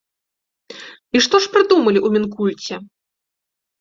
І што ж прыдумалі ў мінкульце?